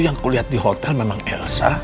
yang kuliah di hotel memang elsa